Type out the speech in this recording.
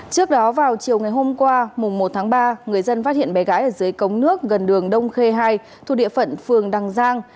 trước đó vào chiều ngày hôm qua mùng một tháng ba người dân phát hiện bé gái ở dưới cống nước gần đường đông khê hai thuộc địa phận phường đằng giang